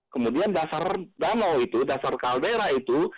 kemudian dasar danau itu dasar kaldera itu